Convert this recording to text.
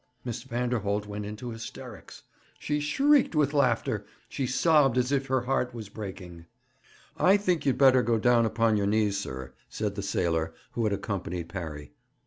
Miss Vanderholt went into hysterics. She shrieked with laughter; she sobbed as if her heart was breaking. 'I think you'd better go down upon your knees, sir,' said the sailor who had accompanied Parry.